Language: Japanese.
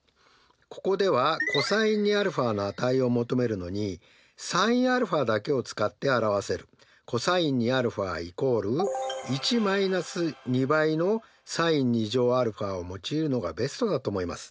ここではｃｏｓ２αの値を求めるのにｓｉｎαだけを使って表せるｃｏｓ２α＝を用いるのがベストだと思います。